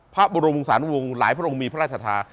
พระบรมวงศาลวงศ์หลายพระองค์มีพระราชธา